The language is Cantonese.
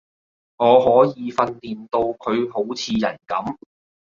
我可以訓練到佢好似人噉